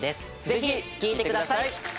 ぜひ聴いてください